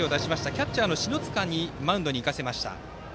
キャッチャーの篠塚にマウンドに行かせました。